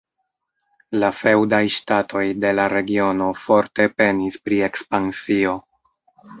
La feŭdaj ŝtatoj de la regiono forte penis pri ekspansio.